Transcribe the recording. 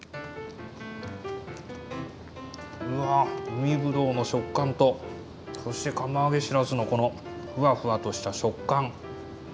海ぶどうの食感とそして釜揚げしらすのこのふわふわとした食感。